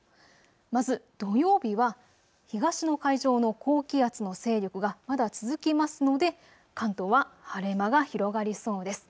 まず土曜日は東の海上の高気圧の勢力がまだ続きますので関東は晴れ間が広がりそうです。